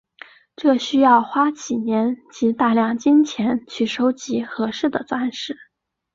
这需要花几年及大量金钱去收集合适的钻石。